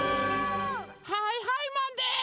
はいはいマンです！